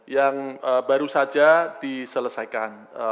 yang baru saja diselesaikan